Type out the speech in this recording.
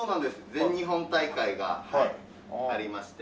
全日本大会がありまして。